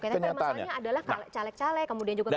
oke tapi masalahnya adalah caleg caleg kemudian juga kan diberikan